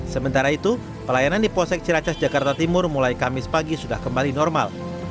sementara itu pelayanan di posek ciracas jakarta timur mulai kamis pagi sudah kembali normal